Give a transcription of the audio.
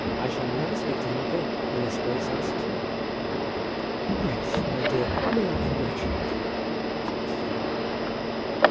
I shall never speak to him again, unless Grace asks me." "Grace, my dear, may I congratulate you?" said Mrs. Dale.